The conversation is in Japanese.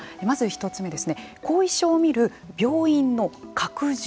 まず１つ目後遺症を診る病院の拡充。